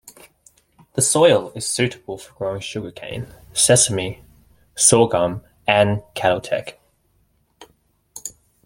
The soil is suitable for growing sugar cane, sesame, sorghum and cattle tech.